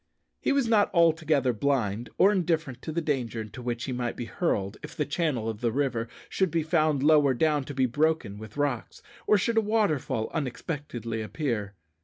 He was not altogether blind or indifferent to the danger into which he might be hurled if the channel of the river should be found lower down to be broken with rocks, or should a waterfall unexpectedly appear.